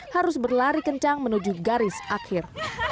harus berlari kencang menuju garis akhir